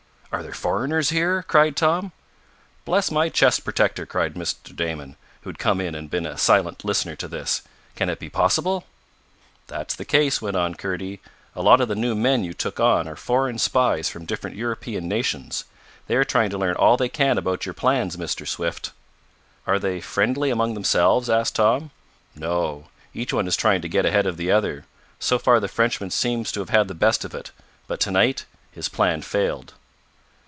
"Are there foreigners here?" cried Tom. "Bless my chest protector!" cried Mr. Damon, who had come in and had been a silent listener to this. "Can it be possible?" "That's the case," went on Kurdy. "A lot of the new men you took on are foreign spies from different European nations. They are trying to learn all they can about your plans, Mr. Swift!" "Are they friendly among themselves?" asked Tom. "No; each one is trying to get ahead of the other. So far the Frenchman seems to have had the best of it. But to night his plan failed."